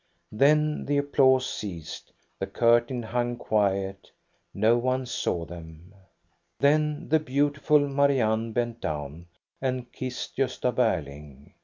Then the applause ceased ; the curtain hung quiet; no one saw them. Then the beautiful Marianne bent down and kissed Gosta Berling.